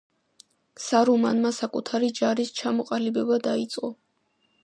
სარუმანმა საკუთარი ჯარის ჩამოყალიბება დაიწყო.